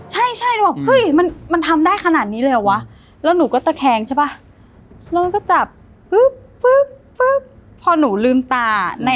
ใช่แล้วบอกเฮ้ยมันทำได้ขนาดนี้เลยเหรอวะแล้วหนูก็ตะแคงใช่ป่ะแล้วมันก็จับปุ๊บพอหนูลืมตา